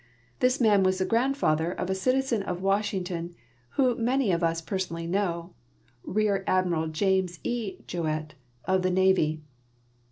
This man was the grandfather of a citizen of Washington whom many of us personally know, Rear Admiral James E. Jouett of the Navy.